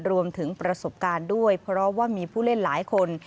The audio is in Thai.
รวมถึงประสบการณ์ด้วยเพราะว่ามีผู้เล่นหลายคน